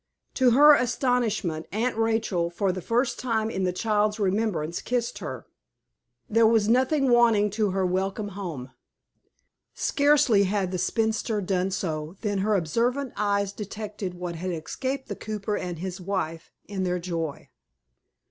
To her astonishment, Aunt Rachel, for the first time in the child's remembrance, kissed her. There was nothing wanting to her welcome home. Scarcely had the spinster done so than her observant eyes detected what had escaped the cooper and his wife, in their joy.